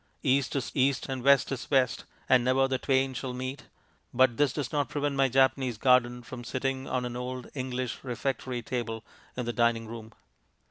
East is East and West is West and never the twain shall meet, but this does not prevent my Japanese garden from sitting on an old English refectory table in the dining room.